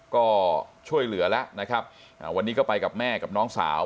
ก็ช่วยเหลือแล้วนะครับวันนี้ก็ไปกับแม่กับน้องสาว